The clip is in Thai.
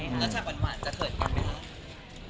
แล้วฉากหวานจะเขิดกันไหมครับ